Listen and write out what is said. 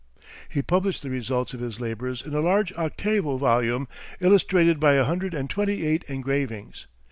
He published the results of his labors in a large octavo volume, illustrated by a hundred and twenty eight engravings.